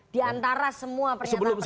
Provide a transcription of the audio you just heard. di antara semua pernyataan pernyataan